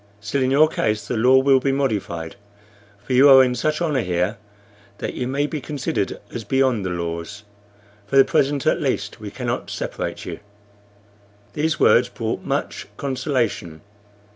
Still, in your case, the law will be modified; for you are in such honor here that you may be considered as beyond the laws. For the present, at least, we cannot separate you." These words brought much consolation.